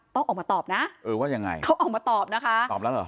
ต้องออกมาตอบนะเออว่ายังไงเขาออกมาตอบนะคะตอบแล้วเหรอ